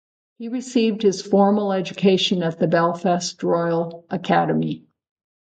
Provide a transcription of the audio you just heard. He received his formal education at the Belfast Royal Academy.